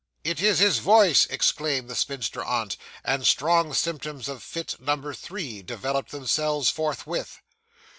'It is his voice!' exclaimed the spinster aunt; and strong symptoms of fit number three developed themselves forthwith.